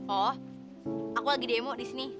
oh aku lagi demo disini